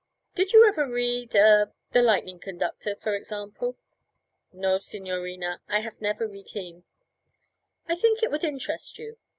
'Did you ever read er The Lightning Conductor, for example?' 'No, signorina; I haf never read heem.' 'I think it would interest you.